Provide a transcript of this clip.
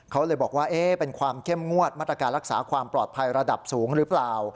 เขาเลยบอกว่าเป็นความเข้มงวดมาตรการรักษาความปลอดภัยระดับสูงหรือเปล่า